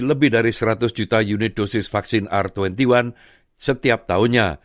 lebih dari seratus juta unit dosis vaksin r dua puluh satu setiap tahunnya